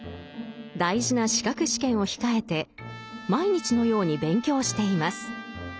大事な資格試験を控えて毎日のように勉強しています。